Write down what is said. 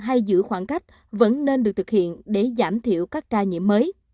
hay giữ khoảng cách vẫn nên được thực hiện để giảm thiểu các ca nhiễm mới